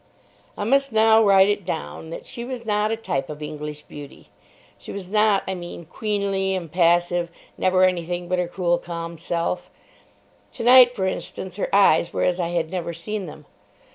I must now write it down that she was not a type of English beauty. She was not, I mean, queenly, impassive, never anything but her cool calm self. Tonight, for instance, her eyes were as I had never seen them.